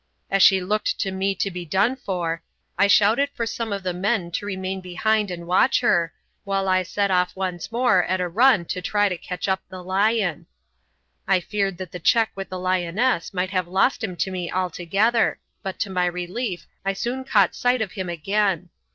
As she looked to me to be done for, I shouted to some of the men to remain behind and watch her, while I set off once more at a run to try to catch up the lion. I feared that the check with the lioness might have lost him to me altogether, but to my relief I soon caught sight of him again.